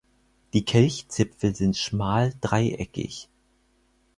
Die Kelchzipfel sind schmal dreieckig.